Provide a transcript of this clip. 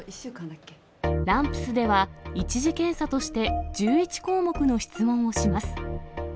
ＲＡＭＰＳでは、１次検査として、１１項目の質問をします。